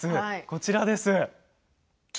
こちらです。